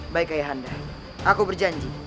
baik ayah anda aku berjanji